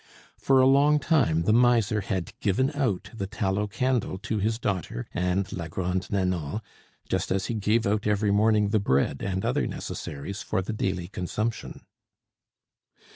For a long time the miser had given out the tallow candle to his daughter and la Grande Nanon just as he gave out every morning the bread and other necessaries for the daily consumption.